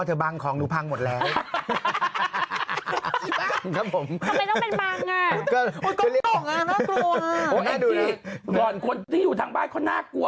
เธอบังของหนูพังหมดแล้ว